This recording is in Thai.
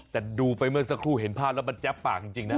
แต่ดูไปเมื่อสักครู่เห็นภาพแล้วมันแจ๊บปากจริงนะ